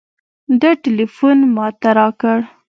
ده ټېلفون ما ته راکړ.